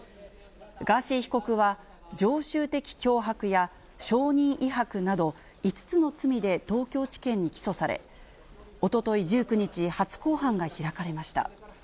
ガーシー被告は、常習的脅迫やしょうにん威迫など、５つの罪で東京地検に起訴され、おととい１９日、初公判が開かれました。